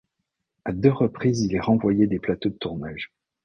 À deux reprises il est renvoyé des plateaux de tournage.